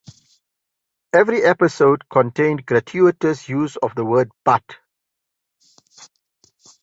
Every episode contained gratuitous use of the word "butt".